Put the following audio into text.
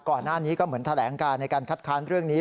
ก่อนหน้านี้ก็เหมือนแถลงการในการคัดค้านเรื่องนี้